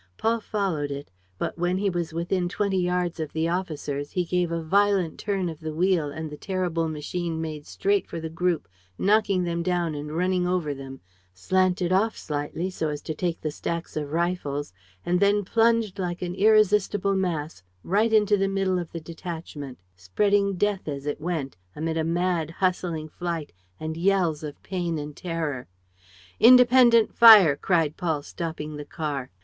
Paul followed it; but, when he was within twenty yards of the officers, he gave a violent turn of the wheel and the terrible machine made straight for the group, knocking them down and running over them, slanted off slightly, so as to take the stacks of rifles, and then plunged like an irresistible mass right into the middle of the detachment, spreading death as it went, amid a mad, hustling flight and yells of pain and terror. "Independent fire!" cried Paul, stopping the car.